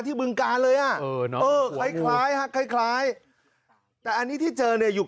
ดูใกล้เด้อเนี่ย